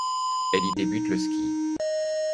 Elle y débute le ski.